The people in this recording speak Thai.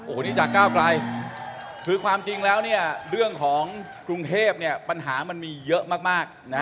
โอ้โหนี่จากก้าวไกลคือความจริงแล้วเนี่ยเรื่องของกรุงเทพเนี่ยปัญหามันมีเยอะมากนะ